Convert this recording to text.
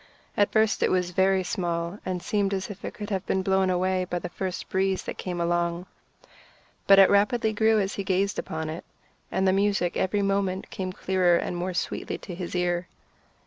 At first it was very small, and seemed as if it could have been blown away by the first breeze that came along; but it rapidly grew as he gazed upon it, and the music every moment came clearer and more sweetly to his ear.